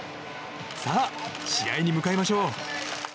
さあ、試合に向かいましょう。